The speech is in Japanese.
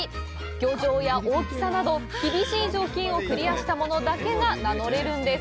漁場や大きさなど厳しい条件をクリアしたものだけが名乗れるんです。